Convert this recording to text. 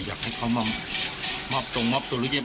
อยากให้เขามอบตรงมอบตัวลูกเย็บ